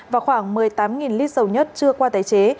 và khoảng một mươi tám lít dầu nhất chưa qua tái chế